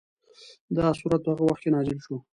دا سورت په هغه وخت کې نازل شوی.